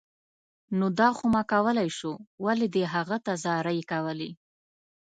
نو دا خو ما کولای شو، ولې دې هغه ته زارۍ کولې